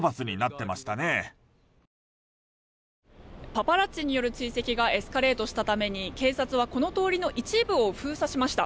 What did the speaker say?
パパラッチによる追跡がエスカレートしたために警察はこの通りの一部を封鎖しました。